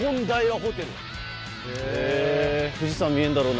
へぇ富士山見えんだろうな